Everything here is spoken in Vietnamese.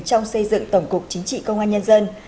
trong xây dựng tổng cục chính trị công an nhân dân